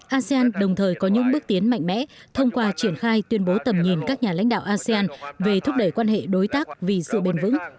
asean đồng thời có những bước tiến mạnh mẽ thông qua triển khai tuyên bố tầm nhìn các nhà lãnh đạo asean về thúc đẩy quan hệ đối tác vì sự bền vững